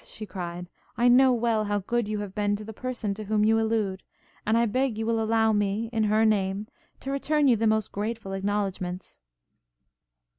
she cried; 'I know well how good you have been to the person to whom you allude, and I beg you will allow me in her name to return you the most grateful acknowledgements.'